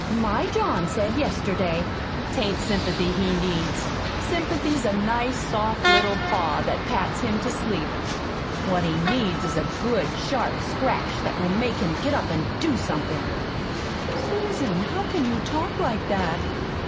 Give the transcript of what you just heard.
My John said yesterday " "'T ain't sympathy he needs. Sympathy's a nice, soft little paw that pats him to sleep. What he needs is a good sharp scratch that will make him get up an' do somethin'." "Susan, how can you talk like that?"